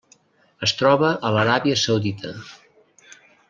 Es troba a l'Aràbia Saudita.